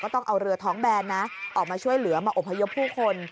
ต้องเอาเรือท้องแบนนะออกมาช่วยเหลือมาอบพยพผู้คน